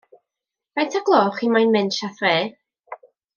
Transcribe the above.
Faint o'r gloch chi moyn mynd sha thre?